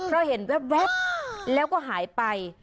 เพราะเห็นแว๊บแล้วก็หายไป